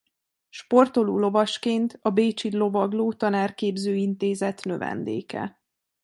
Sportoló lovasként a bécsi Lovagló Tanárképző Intézet növendéke.